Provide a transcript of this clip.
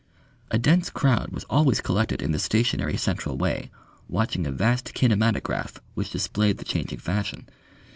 A dense crowd was always collected in the stationary central way watching a vast kinematograph which displayed the changing fashion.